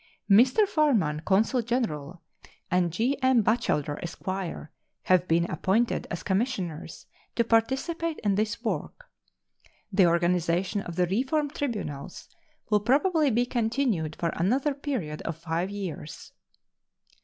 Mr. Farman, consul general, and J. M. Batchelder, esq., have been appointed as commissioners to participate in this work. The organization of the reform tribunals will probably be continued for another period of five years.